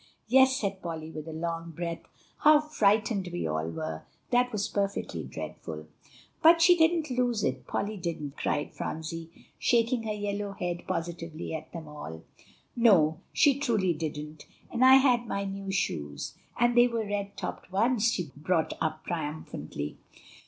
"Yes," said Polly with a long breath; "how frightened we all were. That was perfectly dreadful." "But she didn't lose it Polly didn't," cried Phronsie, shaking her yellow head positively at them all. "No, she truly didn't; and I had my new shoes, and they were red topped ones," she brought up triumphantly.